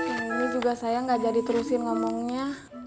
ini juga saya nggak jadi terusin ngomongnya